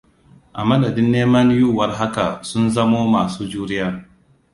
A madadin neman yuwuwar haka sun zamo masu juriya.